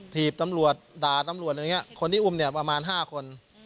ถีบตำรวจด่าตำรวจอะไรอย่างนี้คนที่อุ้มเนี่ยประมาณ๕คน